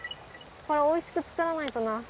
これおいしく作らないとな。